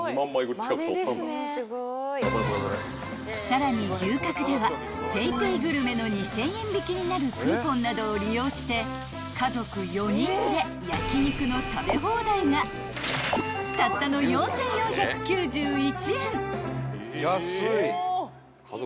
［さらに牛角ではＰａｙＰａｙグルメの２，０００円引きになるクーポンなどを利用して家族４人で焼き肉の食べ放題がたったの４，４９１円］